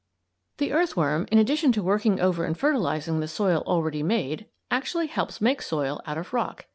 ] The earthworm, in addition to working over and fertilizing the soil already made, actually helps make soil out of rock.